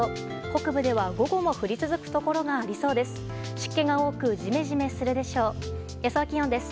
北部では午後も降り続くところがありそうです。